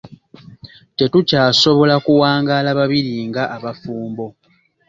Tetukyasobola kuwangaala babiri nga abafumbo.